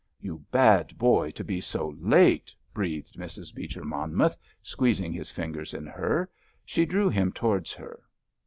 "You bad boy to be so late!" breathed Mrs. Beecher Monmouth, squeezing his fingers in hers. She drew him towards her.